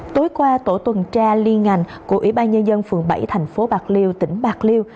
tối qua tổ tuần tra liên ngành của ủy ban nhân dân phường bảy thành phố bạc liêu tỉnh bạc liêu